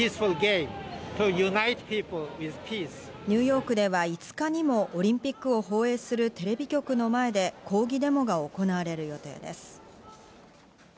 ニューヨークでは５日にもオリンピックを放映するテレビ局の前で抗議デモが行われる予定です。